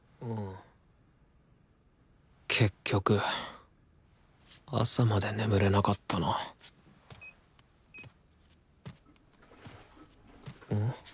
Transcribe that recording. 結局朝まで眠れなかったなん？